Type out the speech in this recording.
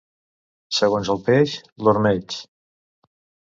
Segons el peix, l'ormeig.